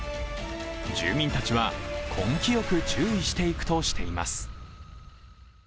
住民たちは、根気よく注意していくとしています。